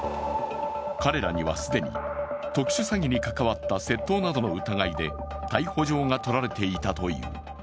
彼らには既に、特殊詐欺に関わった窃盗などの疑いで逮捕状が取られていたという。